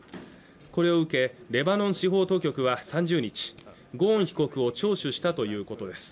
これを受けレバノン司法当局は３０日ゴーン被告を聴取したということです